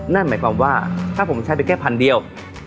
นั่นหมายความว่าถ้าผมใช้ไปแค่พันเดียว